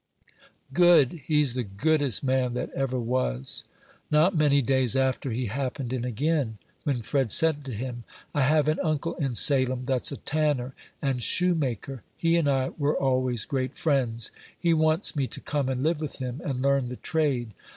"Good! He's the goodest man that ever was." Not many days after he happened in again, when Fred said to him, "I have an uncle in Salem that's a tanner and shoemaker. He and I were always great friends; he wants me to come and live with him, and learn the trade.